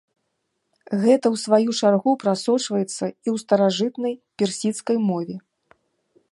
Гэта, у сваю чаргу, прасочваецца і ў старажытнай персідскай мове.